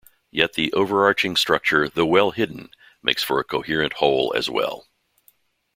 Yet the overarching structure, though well hidden, makes for a coherent whole as well.